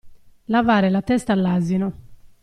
Lavare la testa all'asino.